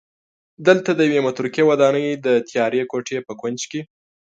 دلته د یوې متروکې ودانۍ د تیارې کوټې په کونج کې